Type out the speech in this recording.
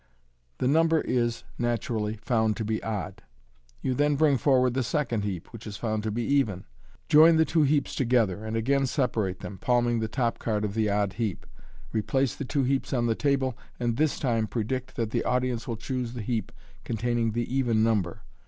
The number is, naturally, found to be odd. You then bring forward the second heap, which is found to be even. Join th~ two heaps together, and again separate them, palming the top card of the odd heap, replace the two heaps on the table, and this time predict that the audience will choose the heap containing the even number.